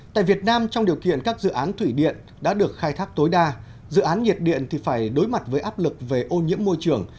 tại việt nam trong điều kiện các dự án thủy điện đã được khai thác tối đa dự án nhiệt điện thì phải đối mặt với áp lực về ô nhiễm môi trường